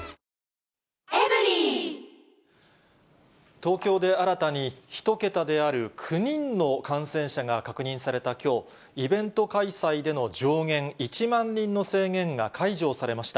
東京で新たに、１桁である９人の感染者が確認されたきょう、イベント開催での上限１万人の制限が解除されました。